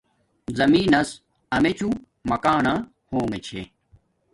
زمین نس امیچوں مکانا ہونگے چھے